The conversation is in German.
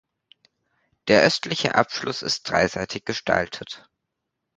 Der östliche Abschluss ist dreiseitig gestaltet.